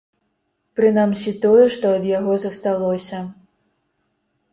Прынамсі, тое, што ад яго засталося.